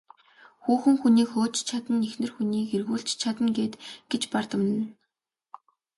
Хүүхэн хүнийг хөөж ч чадна, эхнэр хүнийг эргүүлж ч чадна гээд гэж бардамнана.